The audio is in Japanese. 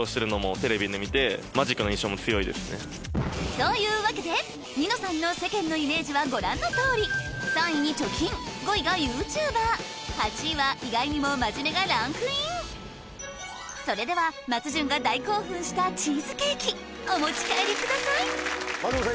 というわけでニノさんの世間のイメージはご覧のとおり３位に「貯金」５位が「ＹｏｕＴｕｂｅｒ」８位は意外にも「マジメ」がランクインそれでは松潤が大興奮したチーズケーキお持ち帰りください松本さん